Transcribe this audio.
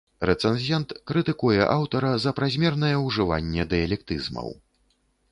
Рэцэнзент крытыкуе аўтара за празмернае ўжыванне дыялектызмаў.